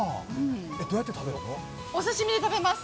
お刺身で食べます。